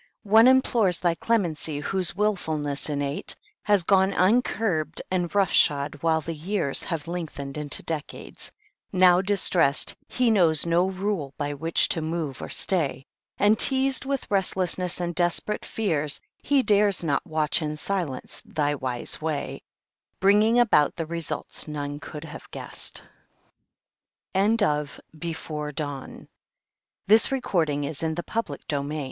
One implores Thy clemency, whose wilfulness innate Has gone uncurbed and roughshod while the years Have lengthened into decades; now distressed He knows no rule by which to move or stay, And teased with restlessness and desperate fears He dares not watch in silence thy wise way Bringing about results none could have guessed. The Poet What instinct forces man to journey on, Urged by a longing